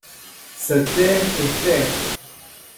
Se taire et faire